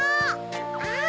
あっ！